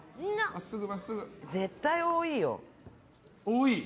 絶対多いよ。